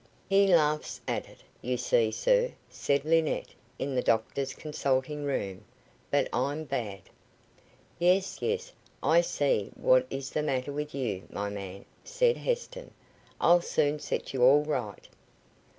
"He laughs at it, you see, sir," said Linnett, in the doctor's consulting room; "but I'm bad." "Yes, yes. I see what is the matter with you, my man," said Heston. "I'll soon set you all right."